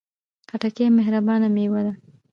خټکی مهربانه میوه ده.